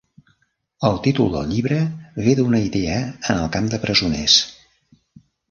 El títol del llibre ve d'una idea en el camp de presoners.